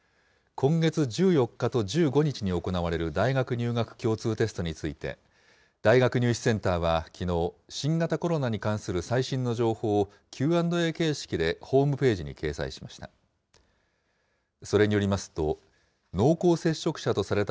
今月１４日と１５日に行われる大学入学共通テストについて、大学入試センターはきのう、新型コロナに関する最新の情報を、Ｑ＆Ａ形式でホームページに掲載しました。